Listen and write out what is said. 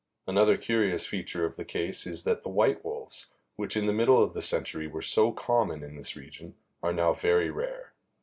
Another curious feature of the case is that the white wolves, which in the middle of the century were so common in this region, are now very rare.